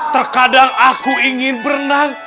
terkadang aku ingin berenang